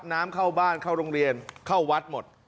น้ำเข้าบ้านเข้าโรงเรียนเข้าวัดหมด